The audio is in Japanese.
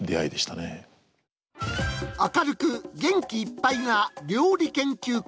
明るく元気いっぱいな料理研究家